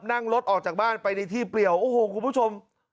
นั่งรถออกจากบ้านไปในที่เปลี่ยวโอ้โหคุณผู้ชม